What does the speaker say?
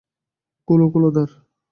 খোলো খোলো দ্বার।